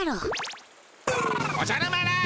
おじゃる丸！